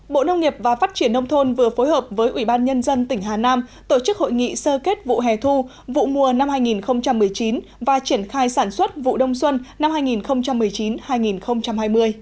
bộ nông nghiệp và phát triển nông thôn vừa phối hợp với ủy ban nhân dân tỉnh hà nam tổ chức hội nghị sơ kết vụ hè thu vụ mùa năm hai nghìn một mươi chín và triển khai sản xuất vụ đông xuân năm hai nghìn một mươi chín hai nghìn hai mươi